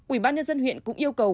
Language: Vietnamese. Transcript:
ubnd huyện cũng yêu cầu